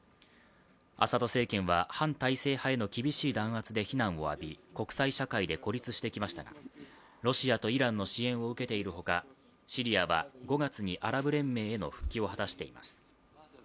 アサド政権は反体制派への厳しい弾圧で非難を浴び国際社会で孤立してきましたが、ロシアとイランの支援を受けているほかシリアは５月にアラブ連盟への復帰を果たしています。